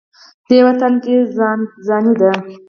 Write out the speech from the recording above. دې وطن کې ځان ځاني ده.